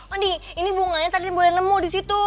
andi ini bunganya tadi boleh nemu disitu